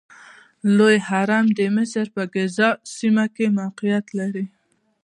لوی هرم د مصر په ګیزا سیمه کې موقعیت لري.